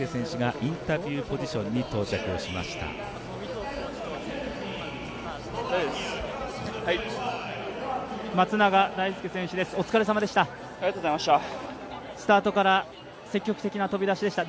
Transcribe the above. それでは松永大介選手がインタビューポジションに到着しました。